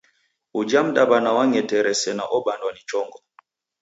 Uja mdaw'ana wang'etere sena obandwa ni chongo.